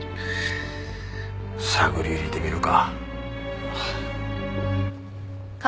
探り入れてみるか。